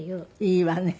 いいわね。